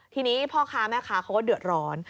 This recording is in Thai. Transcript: ทีนี้พ่อค้าแม่ค้าเขาก็เดือดร้อน